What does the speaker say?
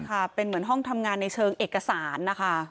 ค่ะเป็นเหมือนห้องทำงานในเชิงเอกสารนะคะ